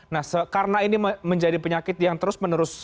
nah karena ini menjadi penyakit yang terus menerus